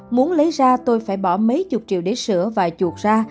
muốn lấy ra tôi phải bỏ mấy chục triệu để sửa và chuột ra